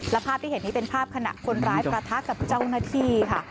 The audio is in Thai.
และภาพที่เห็นนี้เป็นภาพขณะคนร้ายประทะกับเจ้าหน้าที่ค่ะ